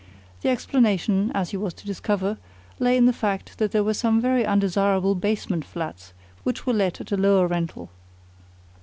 The explanation, as he was to discover, lay in the fact that there were some very undesirable basement flats which were let at a lower rental.